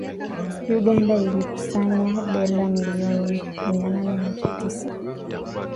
Uganda ilikusanya dola milioni mia nne na tisa